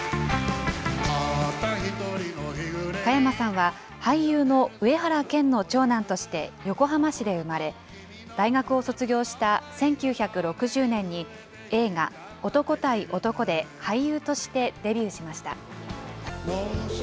加山さんは俳優の上原謙の長男として横浜市で生まれ、大学を卒業した１９６０年に映画、男対男で俳優としてデビューしました。